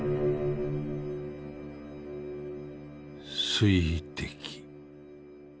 「水滴」。